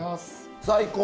最高。